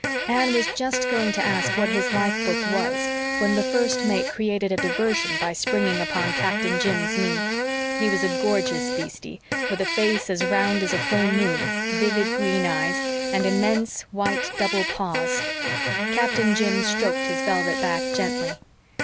Anne was just going to ask what his life book was when the First Mate created a diversion by springing upon Captain Jim's knee. He was a gorgeous beastie, with a face as round as a full moon, vivid green eyes, and immense, white, double paws. Captain Jim stroked his velvet back gently.